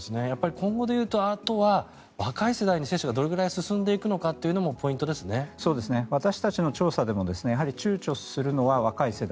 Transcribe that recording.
今後でいうとあとは若い世代に接種がどれぐらい進んでいくのかも私たちの調査でもやはり躊躇するのは若い世代。